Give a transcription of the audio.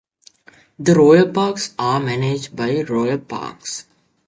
The Royal Parks are managed by Royal Parks.